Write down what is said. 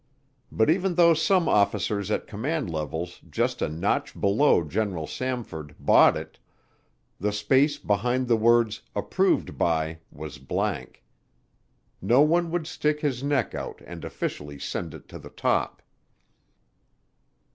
But even though some officers at command levels just a notch below General Samford bought it, the space behind the words "Approved by" was blank no one would stick his neck out and officially send it to the top.